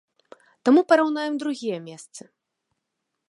Таму параўнаем другія месцы.